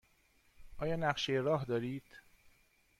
آیا نقشه راه دارید؟